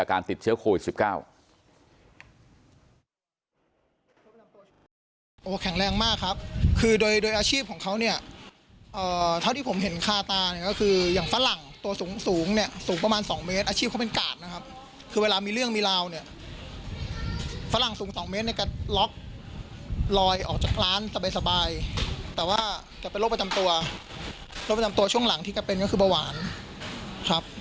แข็งแรงมากครับคือโดยโดยอาชีพของเขาเนี่ยเท่าที่ผมเห็นค่าตาเนี่ยก็คืออย่างฝรั่งตัวสูงสูงเนี่ยสูงประมาณ๒เมตรอาชีพเขาเป็นกาดนะครับคือเวลามีเรื่องมีราวเนี่ยฝรั่งสูง๒เมตรก็ล็อคลอยออกจากร้านสบายแต่ว่าจะเป็นโรคประจำตัวโรคประจำตัวช่วงหลังที่จะเป็นก็คือเบาหวานครับ